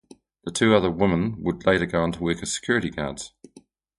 The two other women would later go on to work as security guards.